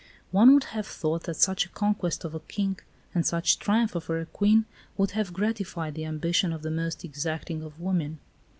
One would have thought that such a conquest of a King and such triumph over a Queen would have gratified the ambition of the most exacting of women.